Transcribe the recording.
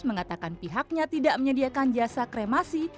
mengatakan pihaknya tidak menyediakan jasa kremasi